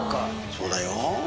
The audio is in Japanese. そうだよ。